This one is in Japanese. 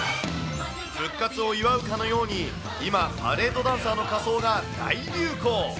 復活を祝うかのように今、パレードダンサーの仮装が大流行。